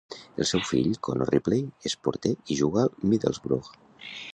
El seu fill, Connor Ripley, és porter i juga al Middlesbrough.